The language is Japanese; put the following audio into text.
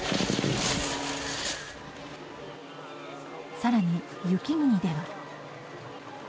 更に、雪国では。